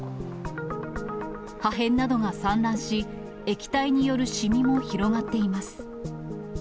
破片などが散乱し、液体によるしみも広がっています。